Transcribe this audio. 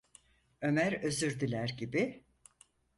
Ömer özür diler gibi: